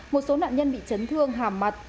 một số nạn nhân bị chấn thương hàm mặt